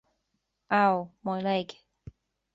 Ow! My leg!